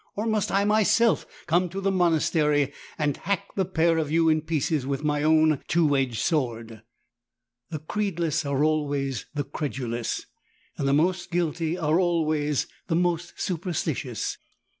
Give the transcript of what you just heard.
Or must I myself come to the monastery and hack the pair of you in pieces with my own two edged sword?" The creedless are always the credulous, and the most guilty are always the most superstitious.